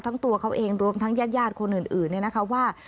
ทั้งตัวเขาเองรวมทั้งแยกยาดคนอื่นเนี่ยนะคะว่า